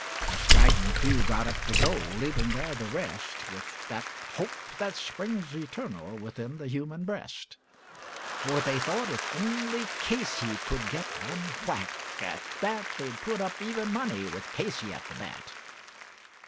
A straggling few got up to go, leaving there the rest, With that hope which springs eternal within the human breast. For they thought if only Casey could get a whack at that, They'd put up even money with Casey at the bat.